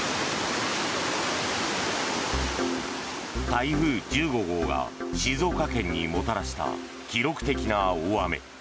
台風１５号が静岡県にもたらした記録的な大雨。